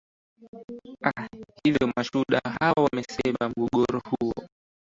a hivyo mashuhuda hao wamesema mgogoro huo